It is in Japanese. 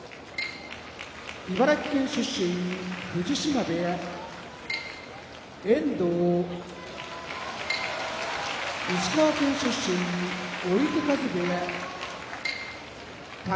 茨城県出身藤島部屋遠藤石川県出身追手風部屋宝